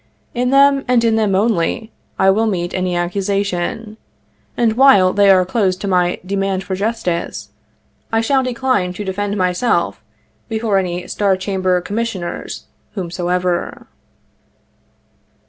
In them, and in them only, will I meet any accusation ; and, while they are closed to my demand for justice, I shall decline to defend myself before any Star Chamber commissioners whomsoever.